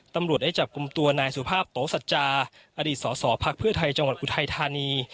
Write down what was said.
ตำรวจได้จับกลุ่มตัวนายสุภาพโตสัจจาอดีตสสพักเพื่อไทยจังหวัดอุทัยธานี